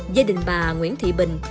gia đình bà nguyễn thị bình